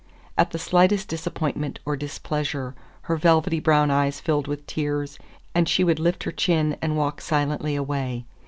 At the slightest disappointment or displeasure her velvety brown eyes filled with tears, and she would lift her chin and walk silently away.